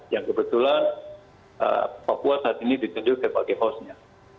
yang kebetulan papua saat ini ditunjuk sebagai hostnya